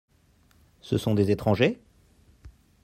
Ce sont des étrangers ?